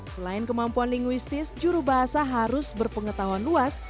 selain kemampuan linguistis juru bahasa harus berpengetahuan luas